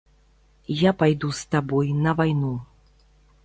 Я пайду з табой на вайну.